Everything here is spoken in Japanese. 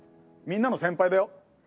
みんなの先輩だよ。